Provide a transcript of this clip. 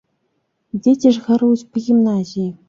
Дзеці ж гаруюць па гімназіі.